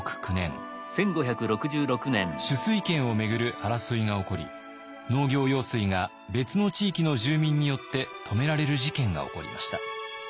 取水権をめぐる争いが起こり農業用水が別の地域の住民によって止められる事件が起こりました。